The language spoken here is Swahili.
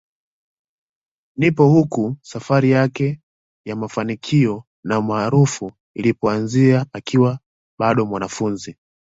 Ndipo huko safari yake ya mafanikio na umaarufu ilipoanzia akiwa bado mwanafunzi